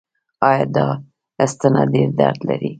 ایا دا ستنه ډیر درد لري؟